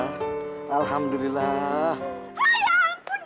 girhana selamat kau